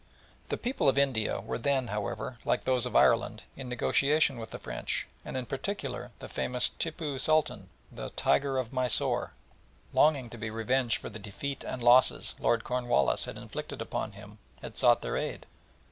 The people of India were then, however, like those of Ireland, in negotiation with the French, and in particular the famous Tippoo Sultan, "The Tiger of Mysore," longing to be revenged for the defeat and losses Lord Cornwallis had inflicted upon him, had sought their aid.